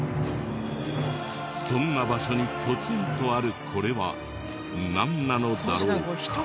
そんな場所にポツンとあるこれはなんなのだろうか？